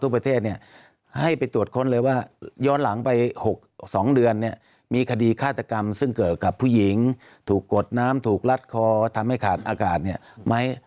ประเทศเนี่ยให้ไปตรวจค้นเลยว่าย้อนหลังไป๖๒เดือนเนี่ยมีคดีฆาตกรรมซึ่งเกิดกับผู้หญิงถูกกดน้ำถูกรัดคอทำให้ขาดอากาศเนี่ยไหม